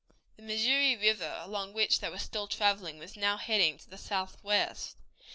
The Missouri River, along which they were still traveling, was now heading to the southwest.